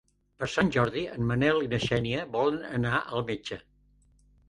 Per Sant Jordi en Manel i na Xènia volen anar al metge.